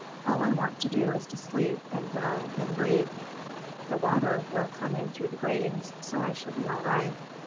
All I want to do is to sleep and grow and breathe. The water will come in through the gratings, so I shall be all right.